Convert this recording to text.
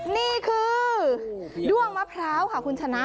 นี่คือด้วงมะพร้าวค่ะคุณชนะ